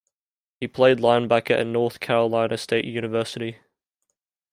He played linebacker at North Carolina State University.